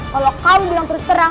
kalau kau bilang terus terang